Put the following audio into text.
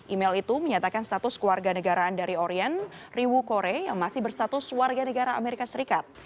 email itu menyatakan status keluarga negaraan dari orien riwu korea yang masih berstatus warga negara amerika serikat